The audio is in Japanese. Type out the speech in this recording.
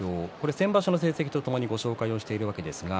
先場所の成績とともにご紹介します。